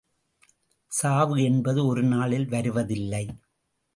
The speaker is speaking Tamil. சாவு என்பது ஒருநாளில் வருவதில்லை.